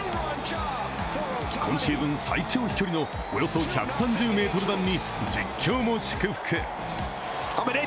今シーズン最長飛距離のおよそ１３０ｍ弾に実況も祝福。